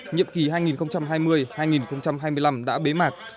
nhiệm kỳ hai nghìn hai mươi hai nghìn hai mươi năm đã bế mạc